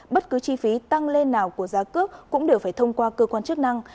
bất cứ chi phí tăng lên nào của giá cước cũng đều phải thông qua cơ quan chức năng